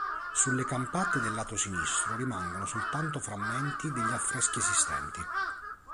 Sulle campate del lato sinistro rimangono soltanto frammenti degli affreschi esistenti.